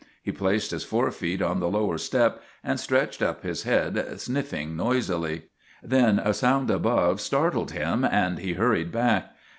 He placed his forefeet on the lower step and stretched up his head, sniffing noisily. Then a sound above startled him and he hurried back.